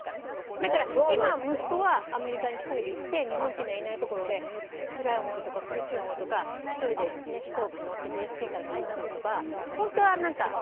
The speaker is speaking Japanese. だから今息子はアメリカに１人で行って日本人がいない所でつらい思いとか苦しい思いとか１人でね飛行機乗ってＪＦＫから帰ってくるとか。